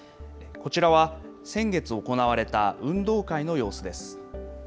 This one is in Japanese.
こちらは先月行われた運動会の様子です。